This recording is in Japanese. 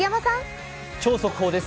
超速報です。